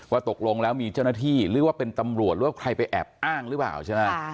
ตกลงแล้วมีเจ้าหน้าที่หรือว่าเป็นตำรวจหรือว่าใครไปแอบอ้างหรือเปล่าใช่ไหม